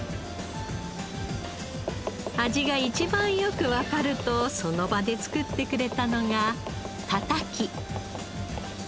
味が一番よくわかるとその場で作ってくれたのがたたき。